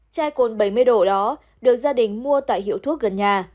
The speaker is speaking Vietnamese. chai cồn bảy mươi độ đó được gia đình mua tại hiệu thuốc gần nhà